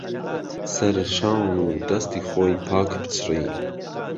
سهر شان و دهستی خۆی پاک پچڕی